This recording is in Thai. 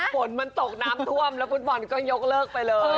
ฝนมันตกน้ำท่วมแล้วฟุตบอลก็ยกเลิกไปเลย